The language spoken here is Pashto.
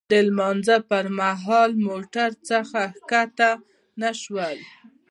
د لمانځه پر مهال موټر څخه ښکته نه شوو.